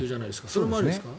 それもありですか？